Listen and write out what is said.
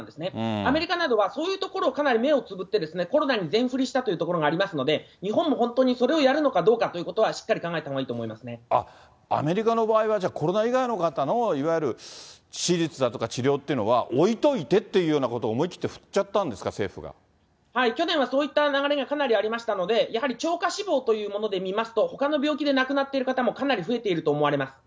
アメリカなどは、そういうところをかなり目をつぶって、コロナに全振りしたというところがありますので、日本も本当にそれをやるのかどうかということは、しっかり考えたアメリカの場合は、じゃあ、コロナ以外の方の、いわゆる手術だとか治療っていうのは、置いといてっていうようなことを思い切って振っちゃったんですか、去年はそういった流れがかなりありましたので、やはり超過死亡ということで見ますと、ほかの病気で亡くなっている方もかなり増えていると思われます。